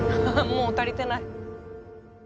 もう足りてない。